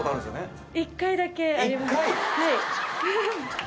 はい。